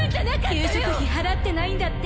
給食費払ってないんだって